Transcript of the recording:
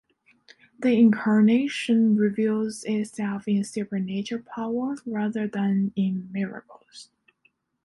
The incarnation reveals itself in supernatural power rather than in miracles.